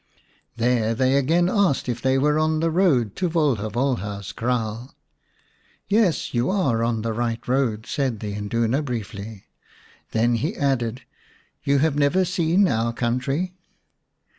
There they again asked if they were on the road to Volha Volha's kraal. "Yes, you are on the right road," said the Induna briefly. Then he added :" You have never seen our country